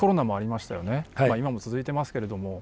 まあ今も続いていますけれども。